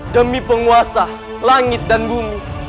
demi penguasa langit dan bumi